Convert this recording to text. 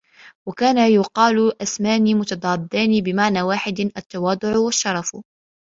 وَكَانَ يُقَالُ اسْمَانِ مُتَضَادَّانِ بِمَعْنًى وَاحِدٍ التَّوَاضُعُ وَالشَّرَفُ